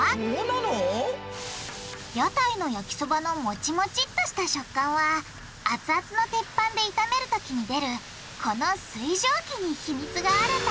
屋台の焼きそばのモチモチっとした食感は熱々の鉄板でいためるときに出るこの水蒸気に秘密があるんだ！